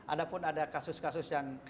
ada pun ada kasus kasus yang